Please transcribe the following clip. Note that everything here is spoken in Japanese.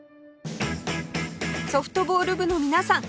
ソフトボール部の皆さん